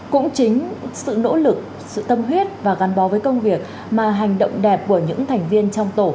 cũng chính sự nỗ lực sự tâm huyết và gắn bó với công việc mà hành động đẹp của những thành viên trong tổ